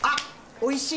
おいしい